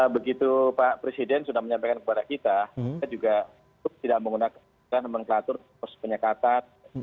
begitu pak presiden sudah menyampaikan kepada kita kita juga tidak menggunakan nomenklatur pos penyekatan